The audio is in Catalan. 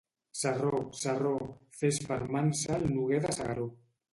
Sarró, sarró, fes fermança al Noguer de S'Agaró.